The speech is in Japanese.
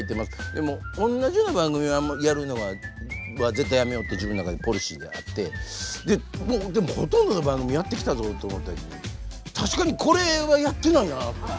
でもおんなじような番組をやるのは絶対やめようって自分の中でポリシーがあってでもほとんどの番組やってきたぞと思った時に確かにこれはやってないなという。